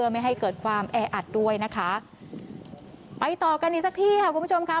ไม่ให้เกิดความแออัดด้วยนะคะไปต่อกันอีกสักที่ค่ะคุณผู้ชมค่ะ